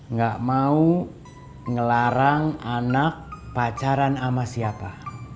nggak mau ngelarang anak pacaran sama siapa